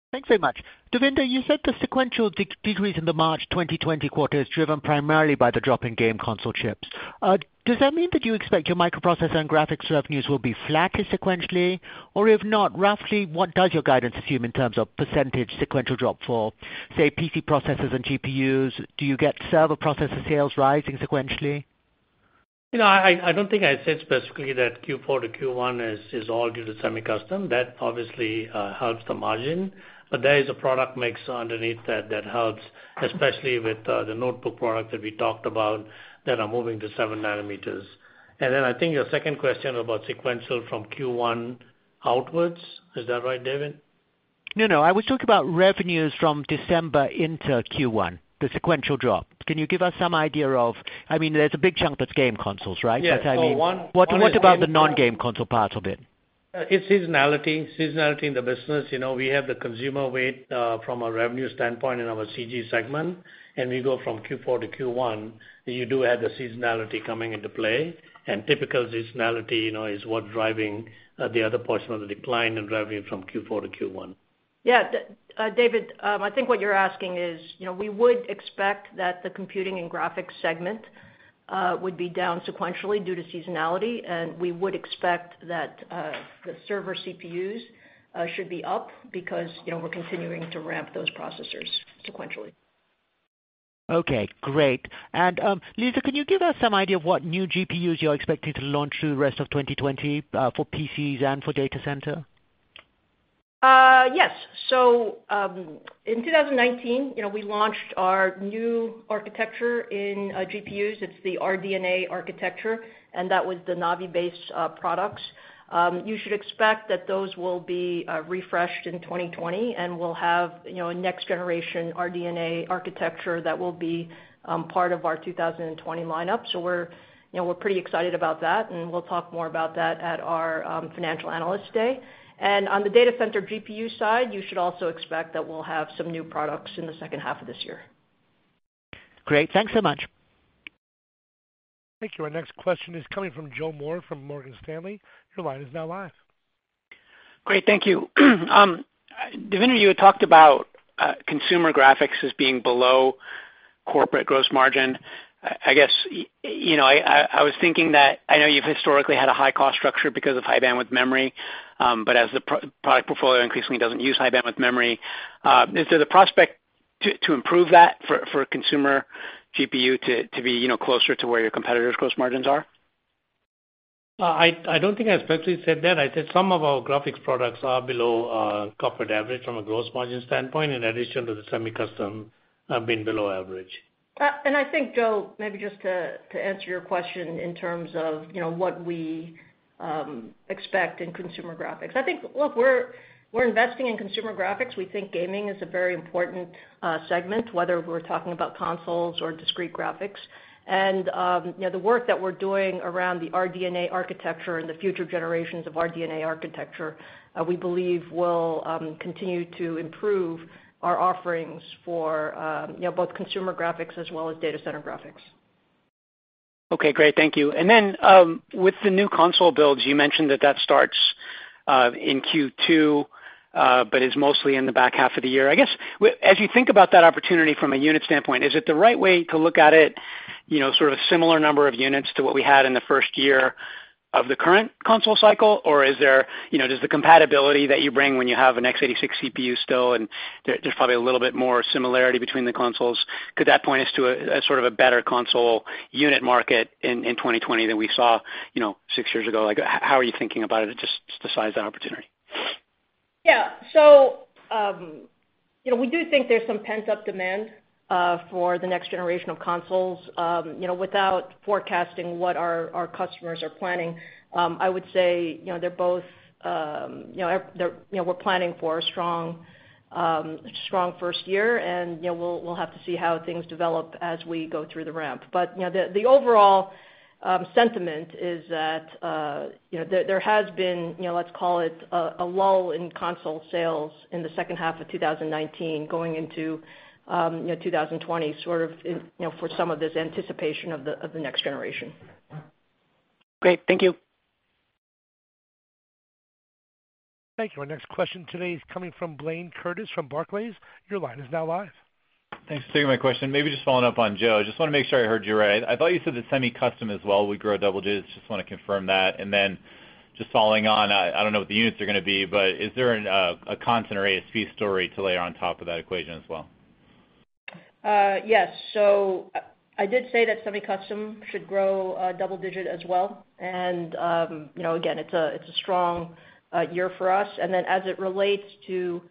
[SPEAKER 10] Thanks very much. Devinder, you said the sequential decrease in the March 2020 quarter is driven primarily by the drop in game console chips. Does that mean that you expect your microprocessor and graphics revenues will be flattest sequentially? If not, roughly what does your guidance assume in terms of percentage sequential drop for, say, PC processors and GPUs? Do you get server processor sales rising sequentially?
[SPEAKER 4] I don't think I said specifically that Q4 to Q1 is all due to semi-custom. That obviously helps the margin. There is a product mix underneath that that helps, especially with the notebook product that we talked about that are moving to 7 nm. I think your second question about sequential from Q1 outwards, is that right, David?
[SPEAKER 10] No, no, I was talking about revenues from December into Q1, the sequential drop. Can you give us some idea of, there's a big chunk that's game consoles, right?
[SPEAKER 4] Yes.
[SPEAKER 10] What about the non-game console part of it?
[SPEAKER 4] It's seasonality in the business. We have the consumer weight from a revenue standpoint in our CG segment, and we go from Q4 to Q1, you do have the seasonality coming into play, and typical seasonality is what's driving the other portion of the decline in revenue from Q4 to Q1.
[SPEAKER 3] Yeah. David, I think what you're asking is, we would expect that the Computing and Graphics segment would be down sequentially due to seasonality, and we would expect that the server CPUs should be up because we're continuing to ramp those processors sequentially.
[SPEAKER 10] Okay, great. Lisa, can you give us some idea of what new GPUs you're expecting to launch through the rest of 2020 for PCs and for data center?
[SPEAKER 3] Yes. In 2019, we launched our new architecture in GPUs. It's the RDNA architecture, and that was the Navi-based products. You should expect that those will be refreshed in 2020, and we'll have a next generation RDNA architecture that will be part of our 2020 lineup. We're pretty excited about that, and we'll talk more about that at our Financial Analyst Day. On the data center GPU side, you should also expect that we'll have some new products in the second half of this year.
[SPEAKER 10] Great. Thanks so much.
[SPEAKER 1] Thank you. Our next question is coming from Joe Moore from Morgan Stanley. Your line is now live.
[SPEAKER 11] Great. Thank you. Devinder, you had talked about consumer graphics as being below corporate gross margin. I was thinking that I know you've historically had a high cost structure because of high bandwidth memory. As the product portfolio increasingly doesn't use high bandwidth memory, is there the prospect to improve that for consumer GPU to be closer to where your competitors' gross margins are?
[SPEAKER 4] I don't think I specifically said that. I said some of our graphics products are below corporate average from a gross margin standpoint, in addition to the semi-custom have been below average.
[SPEAKER 3] I think, Joe, maybe just to answer your question in terms of what we expect in consumer graphics. I think, look, we're investing in consumer graphics. We think gaming is a very important segment, whether we're talking about consoles or discrete graphics. The work that we're doing around the RDNA architecture and the future generations of RDNA architecture, we believe will continue to improve our offerings for both consumer graphics as well as data center graphics.
[SPEAKER 11] Okay, great. Thank you. With the new console builds, you mentioned that starts in Q2, but is mostly in the back half of the year. I guess, as you think about that opportunity from a unit standpoint, is it the right way to look at it, sort of similar number of units to what we had in the first year of the current console cycle, or does the compatibility that you bring when you have an x86 CPU still, and there's probably a little bit more similarity between the consoles, could that point us to a better console unit market in 2020 than we saw six years ago? How are you thinking about it, just the size of the opportunity?
[SPEAKER 3] We do think there's some pent-up demand for the next generation of consoles. Without forecasting what our customers are planning, I would say we're planning for a strong first year and we'll have to see how things develop as we go through the ramp. The overall sentiment is that there has been, let's call it, a lull in console sales in the second half of 2019 going into 2020 for some of this anticipation of the next generation.
[SPEAKER 11] Great. Thank you.
[SPEAKER 1] Thank you. Our next question today is coming from Blayne Curtis from Barclays. Your line is now live.
[SPEAKER 12] Thanks for taking my question. Maybe just following up on Joe, I just want to make sure I heard you right. I thought you said the semi-custom as well would grow double digits. Just want to confirm that. Then just following on, I don't know what the units are going to be, but is there a content or ASP story to layer on top of that equation as well?
[SPEAKER 3] Yes. I did say that semi-custom should grow double-digit as well. Again, it's a strong year for us. As it relates to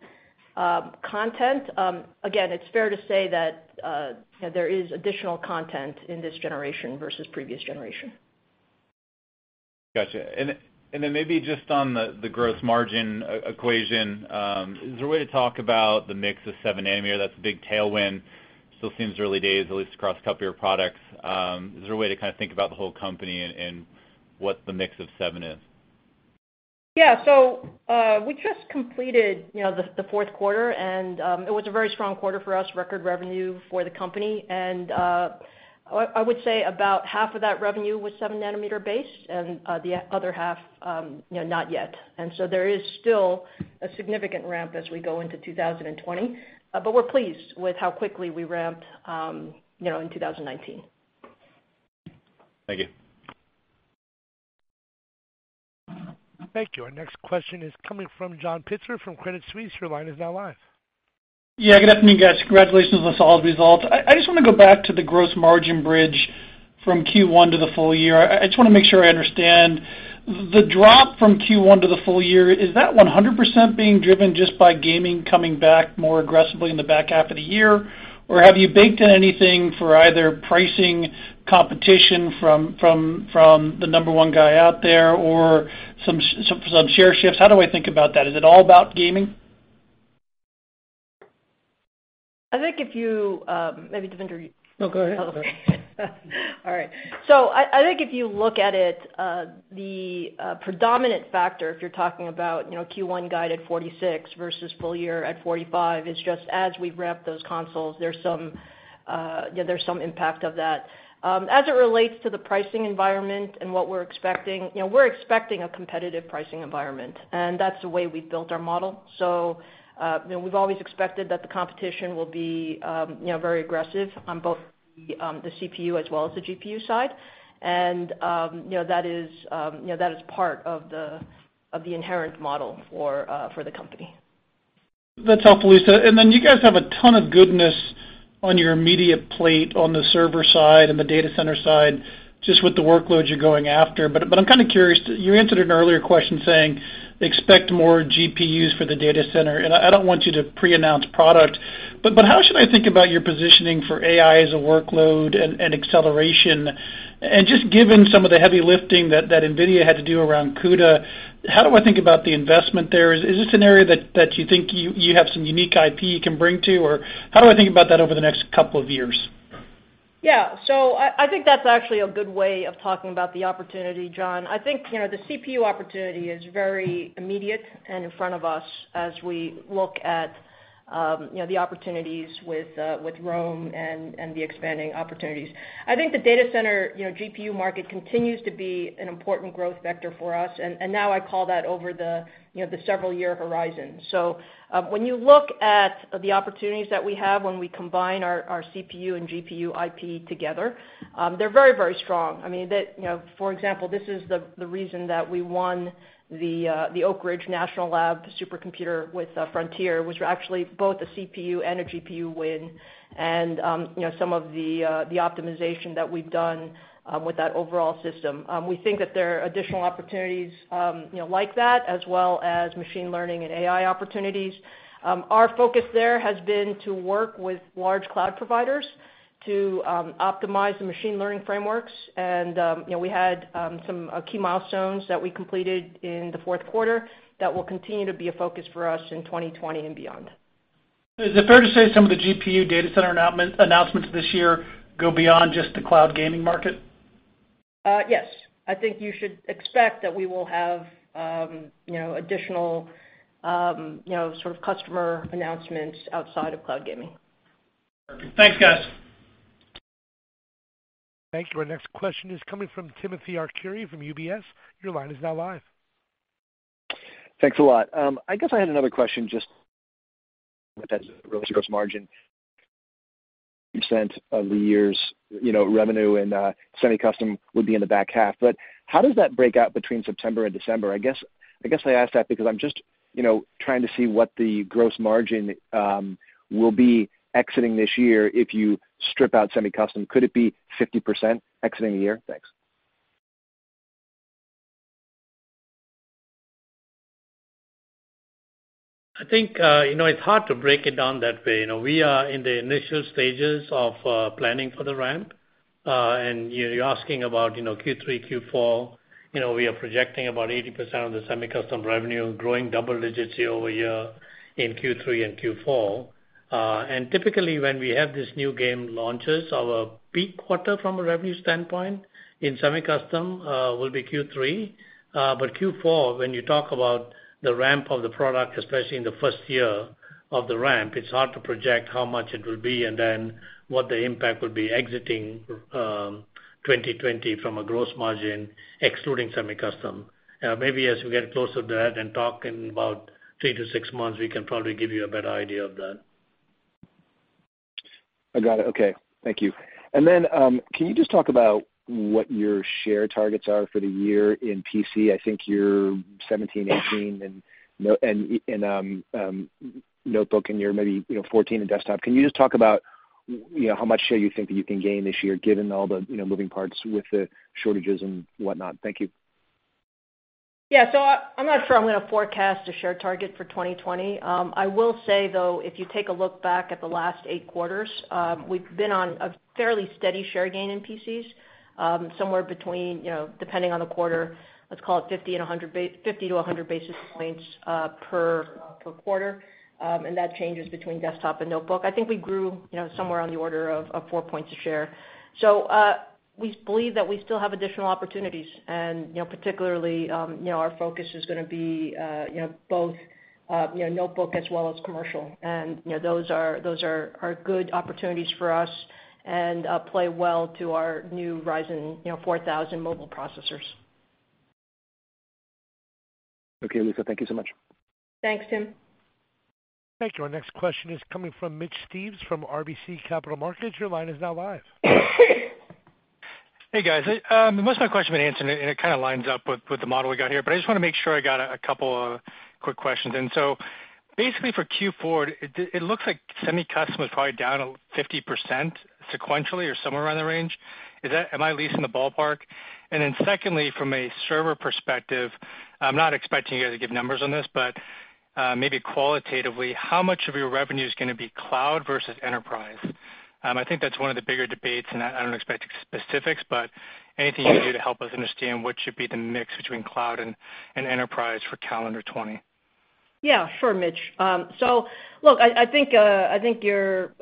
[SPEAKER 3] content, again, it's fair to say that there is additional content in this generation versus previous generation.
[SPEAKER 12] Got you. Then maybe just on the gross margin equation, is there a way to talk about the mix of 7 nm? That's a big tailwind. Still seems early days, at least across a couple of your products. Is there a way to think about the whole company and what the mix of 7 is?
[SPEAKER 3] Yeah. We just completed the fourth quarter, and it was a very strong quarter for us, record revenue for the company. I would say about half of that revenue was 7 nm base and the other half not yet. There is still a significant ramp as we go into 2020. We're pleased with how quickly we ramped in 2019.
[SPEAKER 12] Thank you.
[SPEAKER 1] Thank you. Our next question is coming from John Pitzer from Credit Suisse. Your line is now live.
[SPEAKER 13] Yeah, good afternoon, guys. Congratulations on the solid results. I just want to go back to the gross margin bridge from Q1 to the full year. I just want to make sure I understand. The drop from Q1 to the full year, is that 100% being driven just by gaming coming back more aggressively in the back half of the year? Have you baked in anything for either pricing competition from the number one guy out there or some share shifts? How do I think about that? Is it all about gaming?
[SPEAKER 3] I think if you- maybe Devinder, you-
[SPEAKER 4] No, go ahead.
[SPEAKER 3] All right. I think if you look at it, the predominant factor, if you're talking about Q1 guide at 46%versus full year at 45%, is just as we ramp those consoles, there's some impact of that. As it relates to the pricing environment and what we're expecting, we're expecting a competitive pricing environment, and that's the way we've built our model. We've always expected that the competition will be very aggressive on both the CPU as well as the GPU side. That is part of the inherent model for the company.
[SPEAKER 13] That's helpful, Lisa. You guys have a ton of goodness on your immediate plate on the server side and the data center side, just with the workloads you're going after. I'm kind of curious, you answered an earlier question saying, expect more GPUs for the data center, and I don't want you to pre-announce product, but how should I think about your positioning for AI as a workload and acceleration? Just given some of the heavy lifting that NVIDIA had to do around CUDA, how do I think about the investment there? Is this an area that you think you have some unique IP you can bring to, or how do I think about that over the next couple of years?
[SPEAKER 3] Yeah. I think that's actually a good way of talking about the opportunity, John. I think the CPU opportunity is very immediate and in front of us as we look at the opportunities with Rome and the expanding opportunities. I think the data center GPU market continues to be an important growth vector for us, and now I call that over the several-year horizon. When you look at the opportunities that we have when we combine our CPU and GPU IP together, they're very strong. For example, this is the reason that we won the Oak Ridge National Laboratory supercomputer with Frontier, which were actually both a CPU and a GPU win, and some of the optimization that we've done with that overall system. We think that there are additional opportunities like that as well as machine learning and AI opportunities. Our focus there has been to work with large cloud providers to optimize the machine learning frameworks, and we had some key milestones that we completed in the fourth quarter that will continue to be a focus for us in 2020 and beyond.
[SPEAKER 13] Is it fair to say some of the GPU data center announcements this year go beyond just the cloud gaming market?
[SPEAKER 3] Yes. I think you should expect that we will have additional sort of customer announcements outside of cloud gaming.
[SPEAKER 13] Perfect. Thanks, guys.
[SPEAKER 1] Thank you. Our next question is coming from Timothy Arcuri from UBS. Your line is now live.
[SPEAKER 14] Thanks a lot. I guess I had another question just with that gross margin percent of the year's revenue and semi-custom would be in the back half. How does that break out between September and December? I guess I ask that because I'm just trying to see what the gross margin will be exiting this year if you strip out semi-custom. Could it be 50% exiting the year? Thanks.
[SPEAKER 4] I think it's hard to break it down that way. We are in the initial stages of planning for the ramp. You're asking about Q3, Q4. We are projecting about 80% of the semi-custom revenue growing double digits year-over-year in Q3 and Q4. Typically, when we have these new game launches, our peak quarter from a revenue standpoint in semi-custom will be Q3. Q4, when you talk about the ramp of the product, especially in the first year of the ramp, it's hard to project how much it will be and then what the impact will be exiting 2020 from a gross margin excluding semi-custom. Maybe as we get closer to that and talk in about three to six months, we can probably give you a better idea of that.
[SPEAKER 14] I got it. Okay. Thank you. Can you just talk about what your share targets are for the year in PC? I think you're 17, 18 in notebook and you're maybe 14 in desktop. Can you just talk about how much share you think that you can gain this year given all the moving parts with the shortages and whatnot? Thank you.
[SPEAKER 3] I'm not sure I'm going to forecast a share target for 2020. I will say, though, if you take a look back at the last eight quarters, we've been on a fairly steady share gain in PCs, somewhere between, depending on the quarter, let's call it 50 to 100 basis points per quarter, and that changes between desktop and notebook. I think we grew somewhere on the order of 4 points a share. We believe that we still have additional opportunities, and particularly, our focus is going to be both notebook as well as commercial. Those are good opportunities for us and play well to our new Ryzen 4000 mobile processors.
[SPEAKER 14] Okay, Lisa, thank you so much.
[SPEAKER 3] Thanks, Tim.
[SPEAKER 1] Thank you. Our next question is coming from Mitch Steves from RBC Capital Markets. Your line is now live.
[SPEAKER 15] Hey, guys. Most of my question has been answered, and it kind of lines up with the model we got here, but I just want to make sure I got a couple of quick questions in. For Q4, it looks like semi-custom was probably down 50% sequentially or somewhere around that range. Am I at least in the ballpark? Secondly, from a server perspective, I'm not expecting you guys to give numbers on this, but maybe qualitatively, how much of your revenue is going to be cloud versus enterprise? I think that's one of the bigger debates, and I don't expect specifics, but anything you can do to help us understand what should be the mix between cloud and enterprise for calendar 2020.
[SPEAKER 3] Yeah. Sure, Mitch. Look, I think you're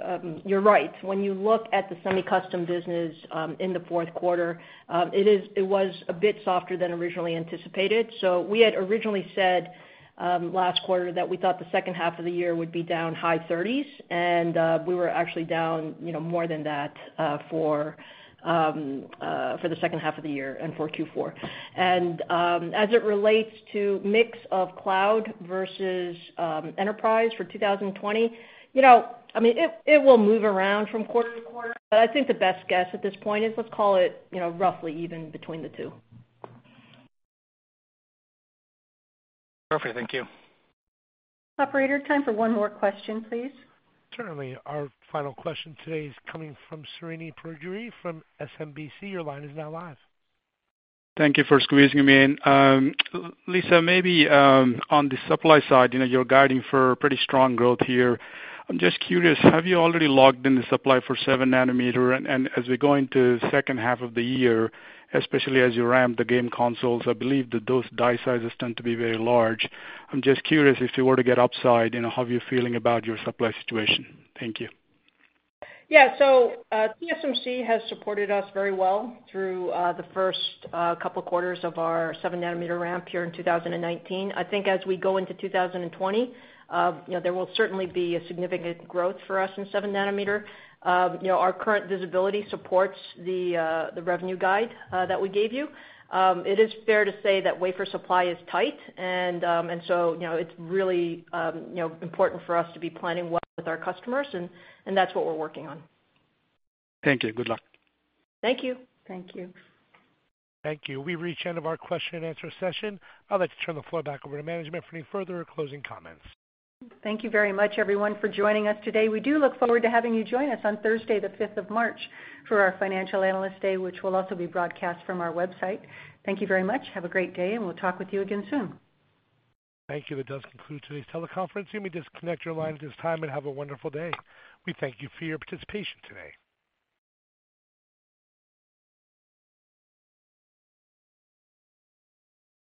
[SPEAKER 3] right. When you look at the semi-custom business in the fourth quarter, it was a bit softer than originally anticipated. We had originally said, last quarter, that we thought the second half of the year would be down high 30s, and we were actually down more than that for the second half of the year and for Q4. As it relates to mix of cloud versus enterprise for 2020, it will move around from quarter to quarter. I think the best guess at this point is, let's call it roughly even between the two.
[SPEAKER 15] Perfect. Thank you.
[SPEAKER 2] Operator, time for one more question, please.
[SPEAKER 1] Certainly. Our final question today is coming from Srini Pajjuri from SMBC. Your line is now live.
[SPEAKER 16] Thank you for squeezing me in. Lisa, maybe on the supply side, you're guiding for pretty strong growth here. I'm just curious, have you already logged in the supply for 7 nm? As we go into the second half of the year, especially as you ramp the game consoles, I believe that those die sizes tend to be very large. I'm just curious, if you were to get upside, how are you feeling about your supply situation? Thank you.
[SPEAKER 3] Yeah. TSMC has supported us very well through the first couple of quarters of our 7 nm ramp here in 2019. I think as we go into 2020, there will certainly be a significant growth for us in 7 nm. Our current visibility supports the revenue guide that we gave you. It is fair to say that wafer supply is tight, and so it's really important for us to be planning well with our customers, and that's what we're working on.
[SPEAKER 16] Thank you. Good luck.
[SPEAKER 3] Thank you.
[SPEAKER 2] Thank you.
[SPEAKER 1] Thank you. We've reached the end of our question and answer session. I'd like to turn the floor back over to management for any further or closing comments.
[SPEAKER 2] Thank you very much, everyone, for joining us today. We do look forward to having you join us on Thursday the 5th of March for our Financial Analyst Day, which will also be broadcast from our website. Thank you very much. Have a great day, and we'll talk with you again soon.
[SPEAKER 1] Thank you. That does conclude today's teleconference. You may disconnect your lines at this time, and have a wonderful day. We thank you for your participation today.